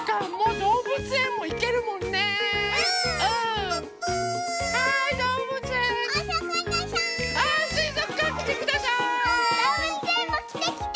どうぶつえんもきてきて。